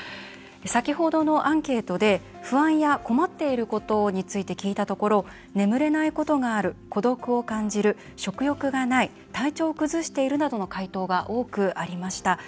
先ほどのアンケートで不安や困っていることについて聞いたところ眠れないことがある孤独を感じる、食欲がない体調を崩しているなどの回答が多くありました。